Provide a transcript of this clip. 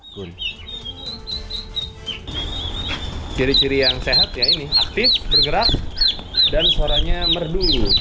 jadi ciri ciri yang sehat ya ini aktif bergerak dan suaranya merdu